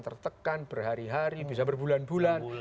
tertekan berhari hari bisa berbulan bulan